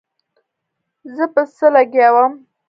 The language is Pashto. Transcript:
زه په څه لګيا وم.